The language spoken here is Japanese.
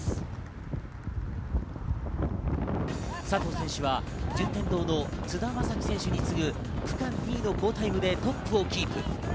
佐藤選手は順天堂の津田将希選手に次ぐ区間２位の好タイムでトップをキープ。